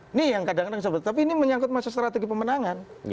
ini yang kadang kadang disebut tapi ini menyangkut masa strategi pemenangan